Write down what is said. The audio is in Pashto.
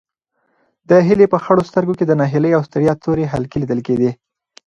د هیلې په خړو سترګو کې د ناهیلۍ او ستړیا تورې حلقې لیدل کېدې.